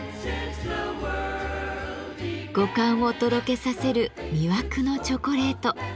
五感をとろけさせる魅惑のチョコレート。